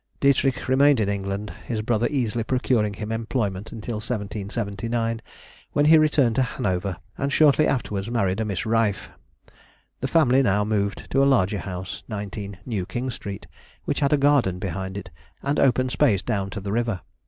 Dietrich remained in England, his brother easily procuring him employment until 1779, when he returned to Hanover, and shortly afterwards married a Miss Reif. The family now moved to a larger house, 19, New King Street, which had a garden behind it, and open space down to the river.